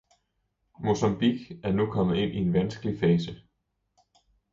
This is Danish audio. Mozambique er nu kommet ind i en vanskelig fase.